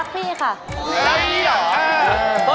รักพี่เหรอ